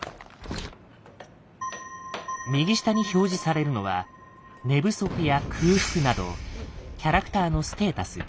右下に表示されるのは寝不足や空腹などキャラクターのステータス。